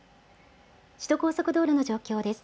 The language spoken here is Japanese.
首都高速道路の状況です。